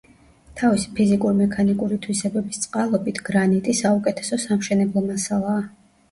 თავისი ფიზიკურ-მექანიკური თვისებების წყალობით გრანიტი საუკეთესო სამშენებლო მასალაა.